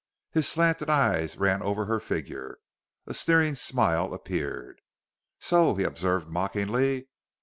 His slanted eyes ran over her figure. A sneering smile appeared. "So!" he observed mockingly.